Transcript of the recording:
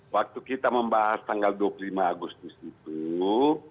waktu kita membahas tanggal dua puluh lima agustus itu